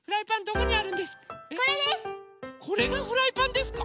これがフライパンですか？